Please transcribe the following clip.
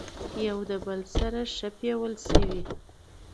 يوه له بل سره ښه پويل شوي،